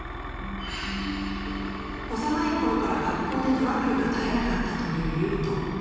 幼いころから学校でトラブルが絶えなかったというユウト。